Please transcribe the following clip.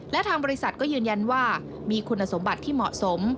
และทางบริษัทก็ยืนยันว่ามีคุณสมบัติที่เหมาะสม